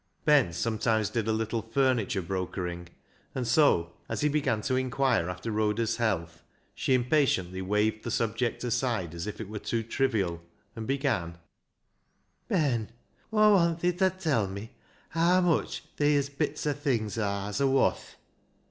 Ben sometimes did a little furniture broker ing, and so, as he began to inquire after Rhoda's health, she impatiently waved the subject aside, as if it were too trivial, and began —" Ben, Aw want thi ta tell me haa mitch theas bits o' things o' aars are woth."